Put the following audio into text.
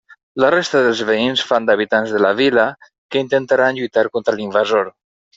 La resta dels veïns fan d'habitants de la vila, que intentaran lluitar contra l'invasor.